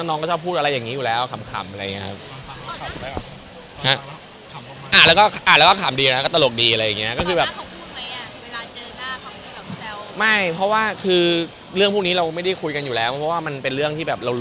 น้องก็พูดอะไรอย่างงี้อยู่แล้วขำ